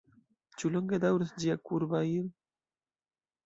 Ĉu longe daŭros ĝia kurba ir’?